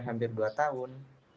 hampir dua tahun